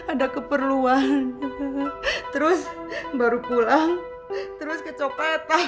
ada keperluan terus baru pulang terus ke coklatan